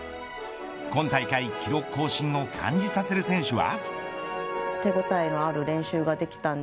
今大会記録更新を感じさせる選手は。